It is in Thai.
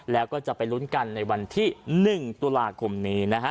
แล้วก็จะไปลุ้นกันในวันที่๑ตุลาคมนี้นะฮะ